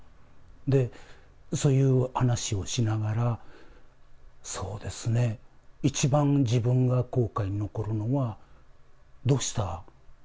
で、そういう話をしながら、そうですね、一番、自分が後悔が残るのは、どうした？